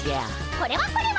これはこれは。